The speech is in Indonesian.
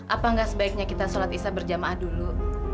apa nggak sebaiknya kita solat isya berjamaah dulu